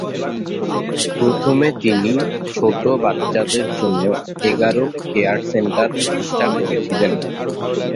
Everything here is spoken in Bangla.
প্রথমে তিনি ছোট বাচ্চাদের জন্য এগারো কেয়ার সেন্টার প্রতিষ্ঠা করেছিলেন।